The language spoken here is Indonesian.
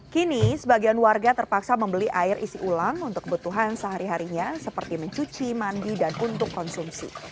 kini sebagian warga terpaksa membeli air isi ulang untuk kebutuhan sehari harinya seperti mencuci mandi dan untuk konsumsi